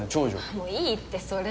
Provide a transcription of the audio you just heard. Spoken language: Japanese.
もういいってそれ。